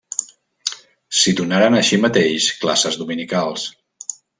S'hi donaren, així mateix, classes dominicals.